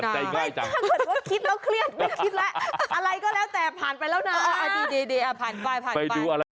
ไปดูอะไร